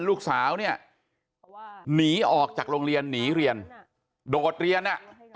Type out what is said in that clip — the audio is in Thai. ลูกสาวเนี่ยหนีออกจากโรงเรียนหนีเรียนโดดเรียนอ่ะ